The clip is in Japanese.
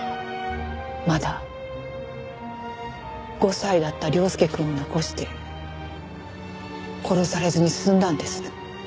まだ５歳だった良輔くんを残して殺されずに済んだんです。